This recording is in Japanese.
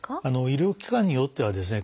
医療機関によってはですね